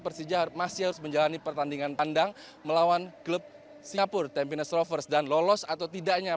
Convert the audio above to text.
persija masih harus menjalani pertandingan tandang melawan klub singapura dan lolos atau tidaknya